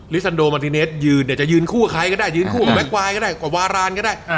ลิซันโดมาร์ทิเนสจะยืนคู่กับใครก็ได้